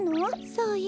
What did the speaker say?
そうよ。